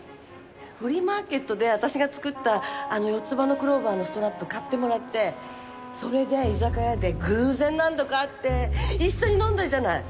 フリーマーケットで私が作ったあの四つ葉のクローバーのストラップ買ってもらってそれで居酒屋で偶然何度か会って一緒に飲んだじゃない！